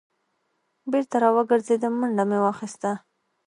بېرته را وګرځېدم منډه مې واخیسته.